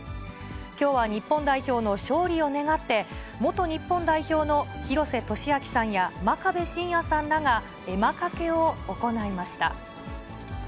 きょうは日本代表の勝利を願って、元日本代表の廣瀬俊朗さんや真壁伸弥さんらが、絵馬掛けを行いま